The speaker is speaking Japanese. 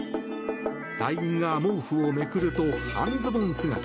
隊員が毛布をめくると半ズボン姿。